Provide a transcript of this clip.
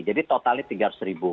jadi totalnya rp tiga ratus